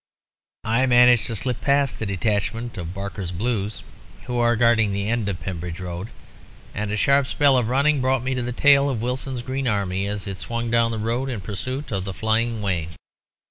"I managed to slip past the detachment of Barker's Blues, who are guarding the end of Pembridge Road, and a sharp spell of running brought me to the tail of Wilson's green army as it swung down the road in pursuit of the flying Wayne.